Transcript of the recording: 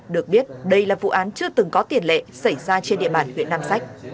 được biết đây là vụ án chưa từng có tiền lệ xảy ra trên địa bàn huyện nam sách